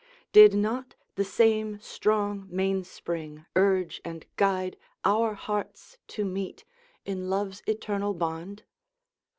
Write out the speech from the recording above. Did not the same strong mainspring urge and guide Our hearts to meet in love's eternal bond?